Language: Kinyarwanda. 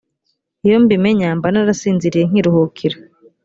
iyo mbimenya mba narasinziriye nkiruhukira